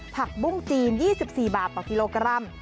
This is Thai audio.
ผักบุ้งจีน๒๔บาทต่อกิโลกรัม